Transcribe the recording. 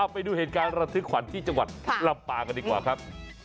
ไปดูเหตุการณ์ระทึกขวัญที่จังหวัดลำปางกันดีกว่าครับ